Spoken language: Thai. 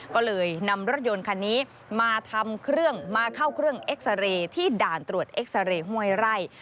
ก็เลยนำรถยนต์คันนี้มาทำเครื่องมาเข้าเครื่องเอ็กซาเรย์ที่ด่านตรวจเอ็กซาเรย์ห้วยไร่